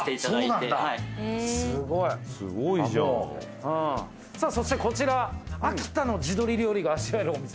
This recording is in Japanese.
すごい。さあそしてこちら秋田の地鶏料理が味わえるお店。